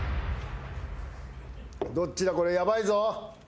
どっちだこれヤバいぞ。